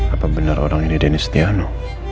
apa benar orang ini denis tiano